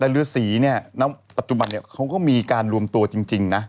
แต่ฤษีเนี่ยณปัจจุบันเนี่ยเขาก็มีการรวมตัวจริงนะ